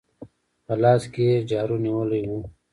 په لاس کې يې جارو نيولې وه.